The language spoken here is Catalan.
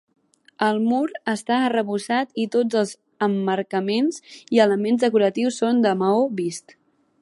El mur està arrebossat i tots els emmarcaments i elements decoratius són de maó vist.